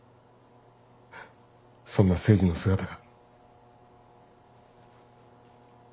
そんな誠治の姿が。